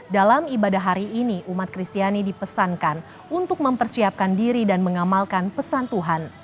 dalam ibadah hari ini umat kristiani dipesankan untuk mempersiapkan diri dan mengamalkan pesan tuhan